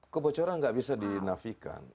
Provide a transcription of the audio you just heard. kebocoran tidak bisa dinafikan